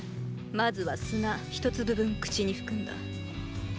まずは砂一粒分口に含んだ。